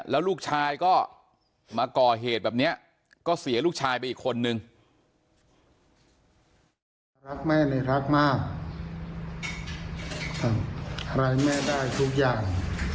แล้วลูกชายก็มาก่อเหตุแบบนี้ก็เสียลูกชายไปอีกคนนึง